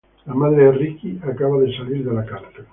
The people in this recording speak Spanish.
La madre de Ricky acaba de salir de la cárcel.